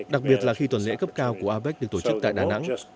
đặc biệt là khi tuần lễ cấp cao của apec được tổ chức tại đà nẵng